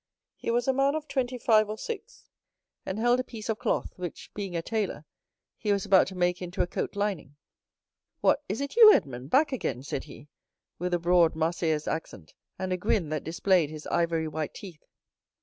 He was a man of twenty five or six, and held a piece of cloth, which, being a tailor, he was about to make into a coat lining. "What, is it you, Edmond, back again?" said he, with a broad Marseillaise accent, and a grin that displayed his ivory white teeth.